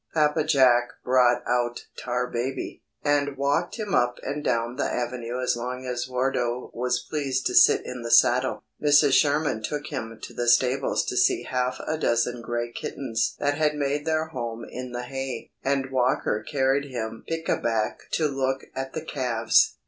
Papa Jack brought out Tarbaby, and walked him up and down the avenue as long as Wardo was pleased to sit in the saddle. Mrs. Sherman took him to the stables to see half a dozen gray kittens that had made their home in the hay, and Walker carried him pick a back to look at the calves.